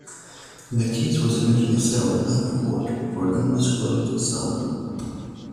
The case was eventually settled out of court for an undisclosed sum.